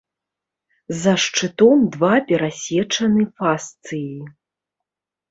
За шчытом два перасечаны фасцыі.